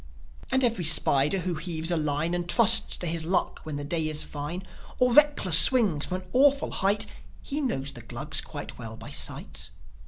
And every spider who heaves a line And trusts to his luck when the day is fine, Or reckless swings from an awful height, He knows the Glugs quite well by sight.